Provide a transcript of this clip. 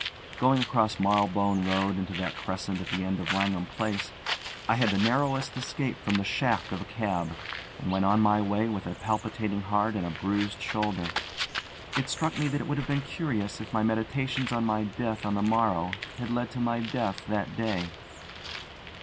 Going across Marylebone Road into that crescent at the end of Langham Place, I had the narrowest escape from the shaft of a cab, and went on my way with a palpitating heart and a bruised shoulder. It struck me that it would have been curious if my meditations on my death on the morrow had led to my death that day.